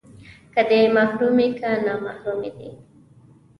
که دې محرمې، که نامحرمې دي